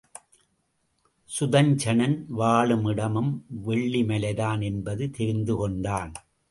சுதஞ்சணன் வாழுமிடமும் வெள்ளிமலைதான் என்பது தெரிந்து கொண்டான்.